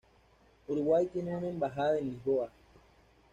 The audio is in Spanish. Uruguay tiene una embajada en Lisboa.